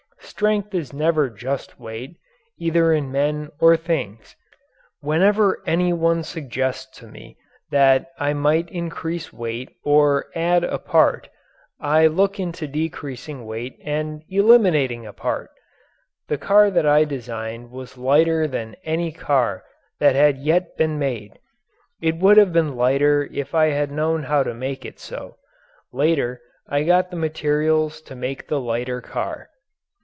Strength is never just weight either in men or things. Whenever any one suggests to me that I might increase weight or add a part, I look into decreasing weight and eliminating a part! The car that I designed was lighter than any car that had yet been made. It would have been lighter if I had known how to make it so later I got the materials to make the lighter car.